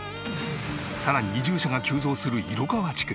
さらに移住者が急増する色川地区。